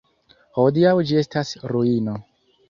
Hodiaŭ ĝi estas ruino.